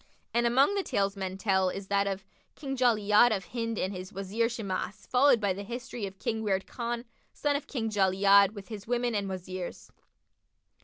"[FN#54] And among the tales men tell is that of KING JALI'AD OF HIND AND HIS WAZIR SHIMAS; FOLLOWED BY THE HISTORY OF KING WIRD KHAN, SON OF KING JALI'AD, WITH HIS WOMEN AND WAZIRS.